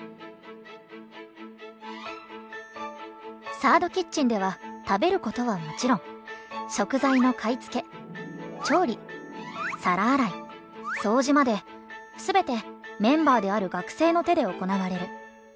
「サード・キッチンでは食べることはもちろん食材の買い付け調理皿洗い掃除まで全てメンバーである学生の手で行われる」。